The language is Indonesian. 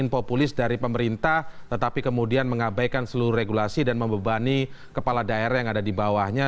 populis dari pemerintah tetapi kemudian mengabaikan seluruh regulasi dan membebani kepala daerah yang ada di bawahnya